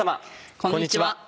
こんにちは。